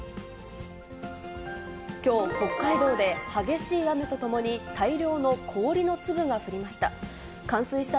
きょう、北海道で、激しい雨とともに、大量の氷の粒が降りました。